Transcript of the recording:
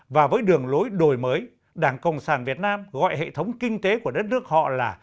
và với đường lối đổi mới đảng cộng sản việt nam gọi hệ thống kinh tế của đất nước họ là